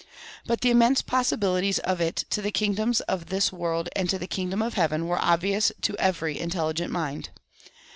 But the immense possibilities of it to the kingdoms of this world and to the kingdom of heaven were obvious to every intelligent mind.